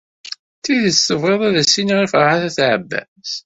D tidet tebɣiḍ ad as-iniɣ i Ferḥat n At Ɛebbas?